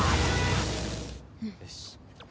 よし。